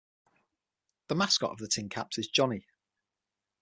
The mascot of the TinCaps is Johnny.